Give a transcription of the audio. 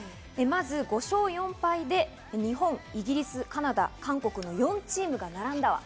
まず５勝４敗で日本、イギリス、カナダ、韓国の４チームが並んだ。